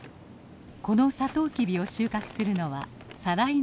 このサトウキビを収穫するのは再来年の春。